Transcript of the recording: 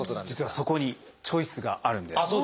実はそこにチョイスがあるんです。